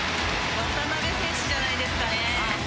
渡邊選手じゃないですかね。